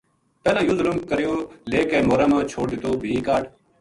پہلاں یوہ ظلم کریو لے کے مورا ما چھوڑ دِتو بھی کاہڈ